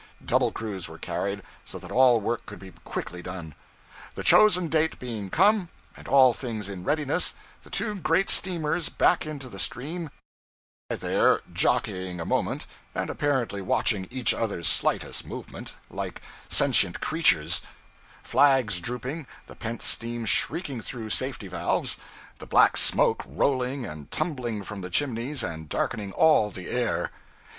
Double crews were carried, so that all work could be quickly done. The chosen date being come, and all things in readiness, the two great steamers back into the stream, and lie there jockeying a moment, and apparently watching each other's slightest movement, like sentient creatures; flags drooping, the pent steam shrieking through safety valves, the black smoke rolling and tumbling from the chimneys and darkening all the air.